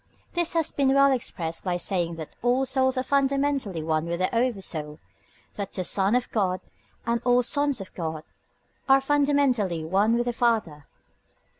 This has been well expressed by saying that all souls are fundamentally one with the Oversoul; that the Son of God, and all Sons of God, are fundamentally one with the Father.